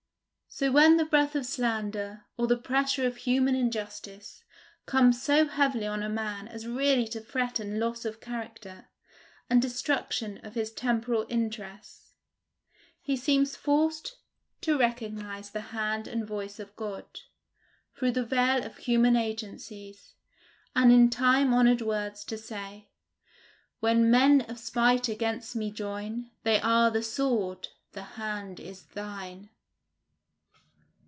So when the breath of slander, or the pressure of human injustice, comes so heavily on a man as really to threaten loss of character, and destruction of his temporal interests, he seems forced to recognize the hand and voice of God, through the veil of human agencies, and in time honored words to say, "When men of spite against me join, They are the sword; the hand is thine."